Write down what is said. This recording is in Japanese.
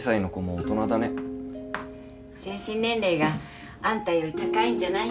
精神年齢があんたより高いんじゃない？